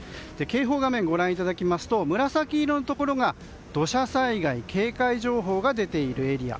警報画面をご覧いただきますと紫色のところが土砂災害警戒情報が出ているエリア。